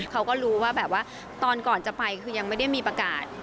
เขาก็รู้ว่าแบบว่าตอนก่อนจะไปคือยังไม่ได้มีประกาศ